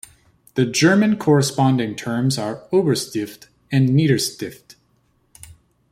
The German corresponding terms are "Oberstift" and "Niederstift".